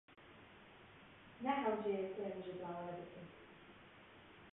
Ne hewce ye ku em jê bawer bikin.